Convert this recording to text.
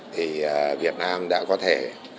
thì việt nam đã có thể